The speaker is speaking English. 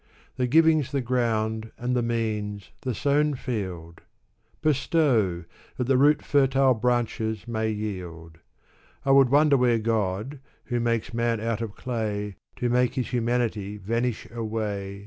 The giving's the ground and the means, the sown field ; Bestow ! that the root fertile branches may yield. I would wonder where God, who makes man out of clay. To make his humanity vanish away.